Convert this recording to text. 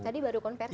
tadi baru konversi